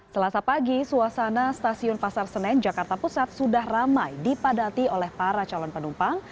selasa pagi suasana stasiun pasar senen jakarta pusat sudah ramai dipadati oleh para calon penumpang